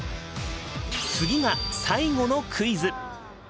次が最後のクイズ。